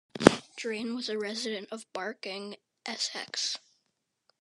Drain was a resident of Barking, Essex.